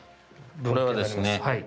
これはですね